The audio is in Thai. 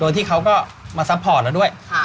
โดยที่เขาก็มาซัพพอร์ตแล้วด้วย